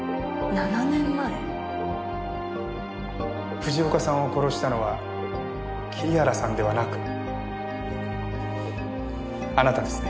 藤岡さんを殺したのは桐原さんではなくあなたですね？